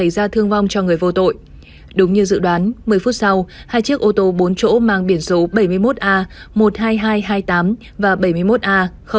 một mươi phút sau hai chiếc ô tô bốn chỗ mang biển số bảy mươi một a một mươi hai nghìn hai trăm hai mươi tám và bảy mươi một a sáu nghìn năm trăm sáu mươi bốn